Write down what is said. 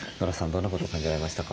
どんなことを感じられましたか？